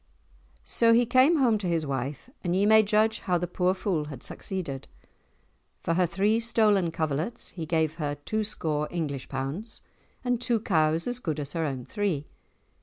So he came home to his wife and ye may judge how the poor fool had succeeded. For her three stolen coverlets he gave her two score English pounds, and two cows as good as her own three.